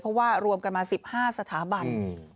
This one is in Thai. เพราะว่ารวมกันมา๑๕สถาบัน